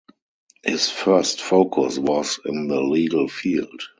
His first focus was in the legal field.